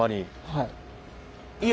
はい。